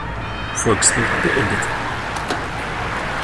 Volkswirt beendete.